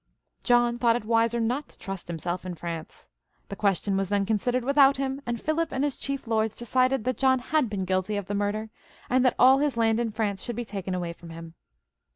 John thought it wiser not to trust himself in France. The question was then considered without him, and Philip and his chief lords decided that John had been guilty of murder, and that all his land in France should be taken away from him.